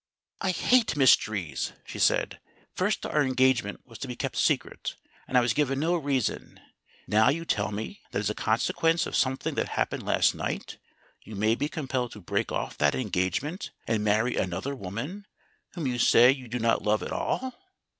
"I hate mysteries," she said. "First our engage ment was to be secret and I was given no reason ; now you tell me that as a consequence of something that happened last night you may be compelled to break off that engagement and marry another woman, whom you say you do not love at all.